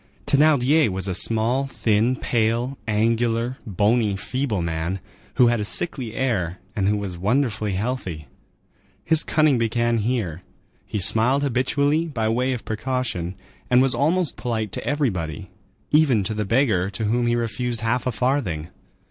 Thénardier was a small, thin, pale, angular, bony, feeble man, who had a sickly air and who was wonderfully healthy. His cunning began here; he smiled habitually, by way of precaution, and was almost polite to everybody, even to the beggar to whom he refused half a farthing.